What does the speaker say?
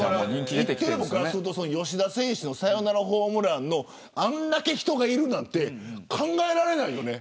吉田選手のサヨナラホームランもあれだけ人がいるなんて考えられないよね。